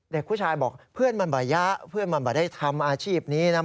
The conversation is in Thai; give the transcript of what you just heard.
เด็กผู้ชายบอกเพื่อนมันบ่ยะเพื่อนมันไม่ได้ทำอาชีพนี้นะ